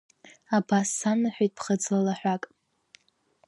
Абас санаҳәеит ԥхыӡла лаҳәак…